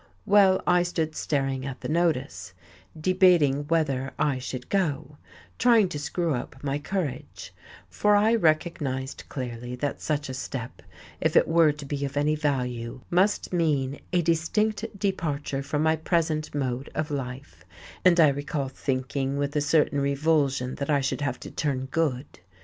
Well, I stood staring at the notice, debating whether I should go, trying to screw up my courage; for I recognized clearly that such a step, if it were to be of any value, must mean a distinct departure from my present mode of life; and I recall thinking with a certain revulsion that I should have to "turn good."